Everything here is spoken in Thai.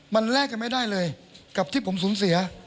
มันแลกกันไม่ได้เลยกับที่ผมสูญเสีย